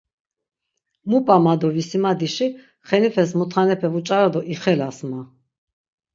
Mu p̆a ma do visimadişi Xenifes mutxanepe vuç̆ara do ixelas ma…